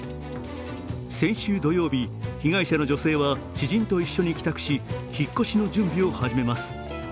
先週土曜日、被害者の女性は知人と一緒に帰宅し引っ越しの準備を始めます。